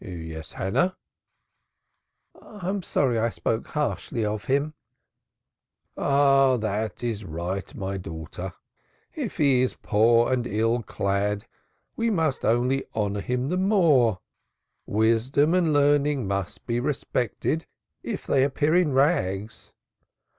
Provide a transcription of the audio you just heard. "Yes, Hannah." "I am sorry I spoke harshly of him,'' "Ah, that is right, my daughter. If he is poor and ill clad we must only honor him the more. Wisdom and learning must be respected if they appear in rags.